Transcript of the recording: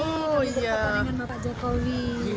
kami di depan dengan pak jokowi